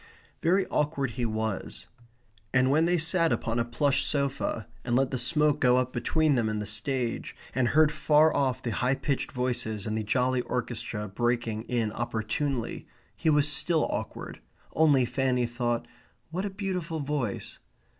Very awkward he was. And when they sat upon a plush sofa and let the smoke go up between them and the stage, and heard far off the high pitched voices and the jolly orchestra breaking in opportunely he was still awkward, only Fanny thought: "What a beautiful voice!"